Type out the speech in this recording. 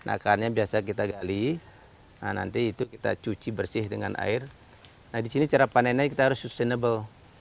akarnya biasa kita gali nah nanti itu kita cuci bersih dengan air nah disini cara panennya kita harus sustainable